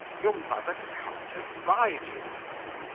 your mother can't abide you."